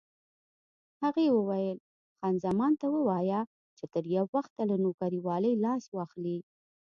هغې وویل: خان زمان ته ووایه چې تر یو وخته له نوکرېوالۍ لاس واخلي.